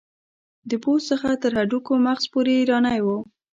د پوست څخه تر هډوکو مغز پورې ایرانی و.